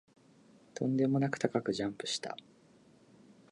とんでもなく高くジャンプした